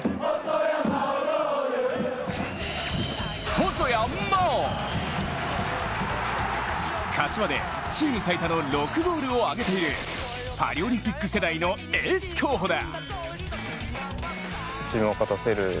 細谷真大、柏でチーム最多の６ゴールを挙げているパリオリンピック世代のエース候補だ。